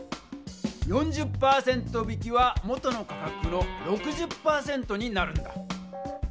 ４０％引きは元の価格の６０％になるんだ。